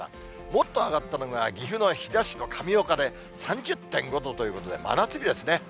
もっと上がったのが岐阜の飛騨市の神岡で３０．５度ということで、真夏日ですね。